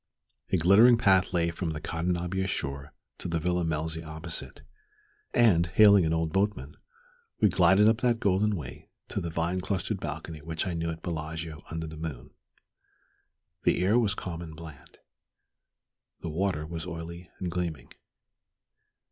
A glittering path lay from the Cadenabia shore to the Villa Melzi opposite; and, hailing an old boatman, we glided up that golden way to the vine clustered balcony which I knew at Bellagio under the moon. The air was calm and bland. The water was oily and gleaming.